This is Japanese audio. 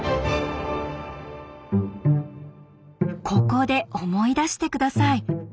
ここで思い出して下さい。